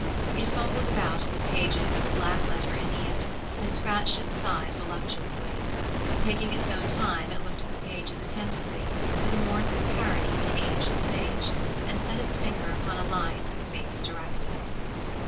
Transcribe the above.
It fumbled about in the pages of a black letter Æneid, and scratched its side voluptuously: taking its own time it looked at the pages attentively with a mournful parody of an aged sage, and set its finger upon a line that the fates directed.